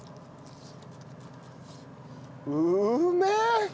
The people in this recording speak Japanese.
うめえ！